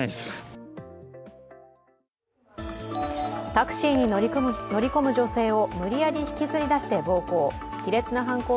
タクシーに乗り込む女性を無理やり引きずり出して暴行。